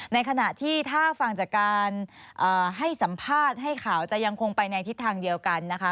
ในขณะที่ถ้าฟังจากการให้สัมภาษณ์ให้ข่าวจะยังคงไปในทิศทางเดียวกันนะคะ